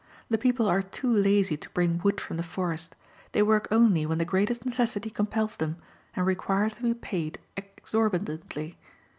The people are too lazy to bring wood from the forest; they work only when the greatest necessity compels them, and require to be paid exorbitantly.